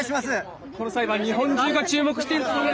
この裁判日本中が注目して。